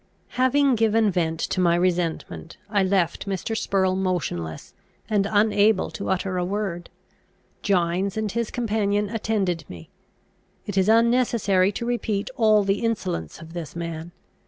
Having given vent to my resentment, I left Mr. Spurrel motionless, and unable to utter a word. Gines and his companion attended me. It is unnecessary to repeat all the insolence of this man.